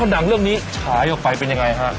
แล้วพอดังเรื่องนี้ขาดอยู่ไปเป็นยังไงค่ะ